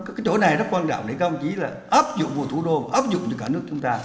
cái chỗ này rất quan trọng để các ông chí là áp dụng vào thủ đô áp dụng cho cả nước chúng ta